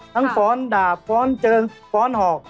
ฟ้อนดาบฟ้อนเจิงฟ้อนหอก